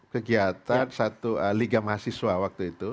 kegiatan satu liga mahasiswa waktu itu